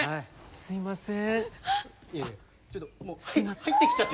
すいません